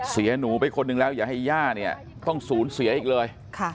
เสียหนูไปคนหนึ่งแล้วอย่าให้ย่าเนี่ยต้องสูญเสียอีกเลย